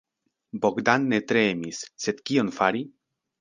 Bogdan ne tre emis, sed kion fari?